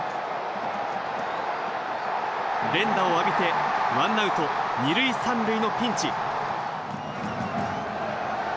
連打を浴びてワンアウト２塁３塁のピンチ。